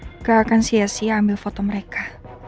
karena gue tau gak akan sia sia ambil foto mereka